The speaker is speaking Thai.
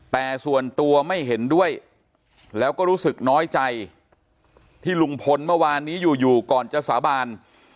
แต่ส่วนตัวไม่เห็นด้วยแล้วก็รู้สึกน้อยใจที่ลุงพลเมื่อวานนี้อยู่ก่อนจะสาบาน